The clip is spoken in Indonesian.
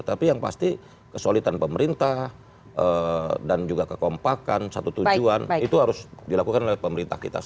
tapi yang pasti kesulitan pemerintah dan juga kekompakan satu tujuan itu harus dilakukan oleh pemerintah kita